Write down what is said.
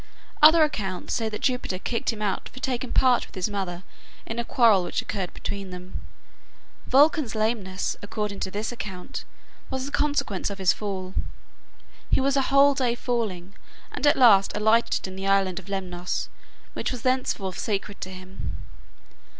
Other accounts say that Jupiter kicked him out for taking part with his mother in a quarrel which occurred between them. Vulcan's lameness, according to this account, was the consequence of his fall. He was a whole day falling, and at last alighted in the island of Lemnos, which was thenceforth sacred to him.